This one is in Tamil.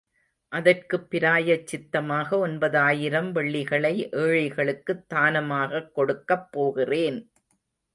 அதற்குப் பிராயச்சித்தமாக ஒன்பதாயிரம் வெள்ளிகளை ஏழைகளுக்குத் தானமாகக் கொடுக்கப் போகிறேன்.